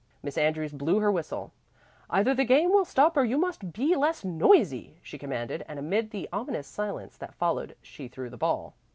Miss Andrews blew her whistle. "Either the game will stop or you must be less noisy," she commanded, and amid the ominous silence that followed she threw the ball.